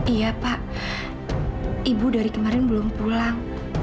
iya pak ibu dari kemarin belum pulang